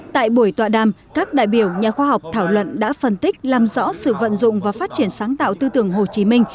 tại buổi tọa đàm các đại biểu nhà khoa học thảo luận đã phân tích làm rõ sự vận dụng và phát triển sáng tạo tư tưởng hồ chí minh